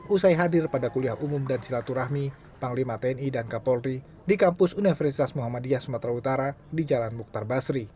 usai hadir pada kuliah umum dan silaturahmi panglima tni dan kapolri di kampus universitas muhammadiyah sumatera utara di jalan mukhtar basri